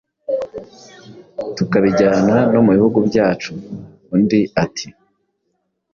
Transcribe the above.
tukabijyana no mu bihugu byacu”} Undi ati: